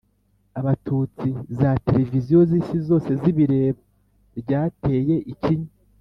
Abatutsi za televiziyo z'isi yose zibireba ryateye ikinya